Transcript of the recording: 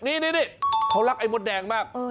นี่เขารักไอ้มดแดงมาก